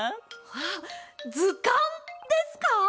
あっずかんですか？